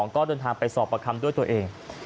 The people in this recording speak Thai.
ก็เดินทางไปสอบประคำด้วยตัวเอง